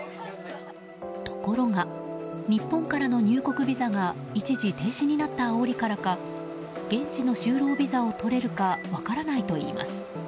ところが、日本からの入国ビザが一時停止になったあおりからか現地の就労ビザをとれるか分からないといいます。